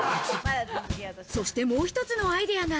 そしてもう一つのアイデアが。